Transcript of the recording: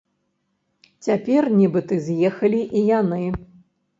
Цяпер нібыта з'ехалі і яны.